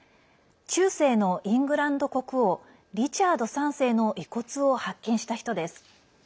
中世のイングランド国王リチャード３世の遺骨を発見した人です。